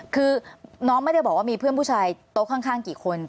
คือน้องไม่ได้บอกว่ามีเพื่อนผู้ชายโต๊ะข้างกี่คน